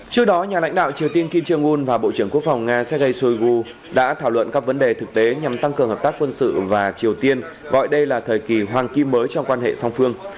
trước đó nhà lãnh đạo triều tiên kim jong un và bộ trưởng quốc phòng nga sergei shoigu đã thảo luận các vấn đề thực tế nhằm tăng cường hợp tác quân sự và triều tiên gọi đây là thời kỳ hoàng kim mới trong quan hệ song phương